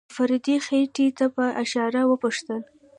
د فريدې خېټې ته په اشاره وپوښتل.